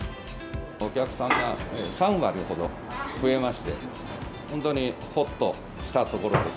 お客さんが３割ほど増えまして、本当にほっとしたところです。